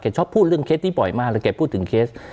ชอบพูดเรื่องเคสที่ปล่อยมาแล้วแกพูดถึงเคส